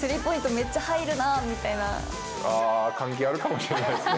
めっちゃああ、関係あるかもしれないですね。